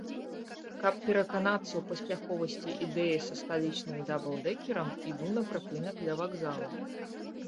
Каб пераканацца ў паспяховасці ідэі са сталічным даблдэкерам, іду на прыпынак ля вакзала.